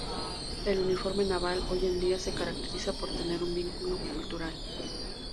El uniforme naval, hoy en día se caracteriza por tener un vínculo cultural.